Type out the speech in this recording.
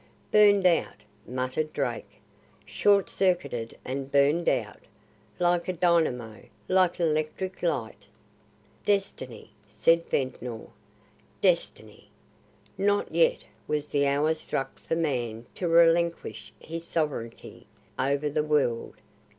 "Burned out!" muttered Drake. "Short circuited and burned out! Like a dynamo like an electric light!" "Destiny!" said Ventnor. "Destiny! Not yet was the hour struck for man to relinquish his sovereignty over the world.